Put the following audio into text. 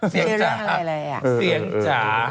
เสียงจ๋า